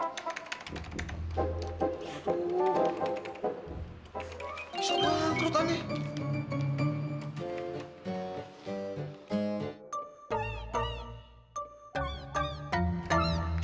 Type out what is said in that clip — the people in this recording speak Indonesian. siapa yang kerutannya